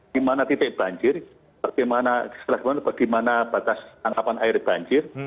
di mana titik banjir bagaimana batas tangkapan air banjir